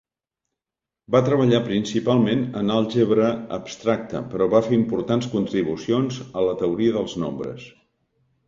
Va treballar principalment en àlgebra abstracta, però va fer importants contribucions a la teoria dels nombres.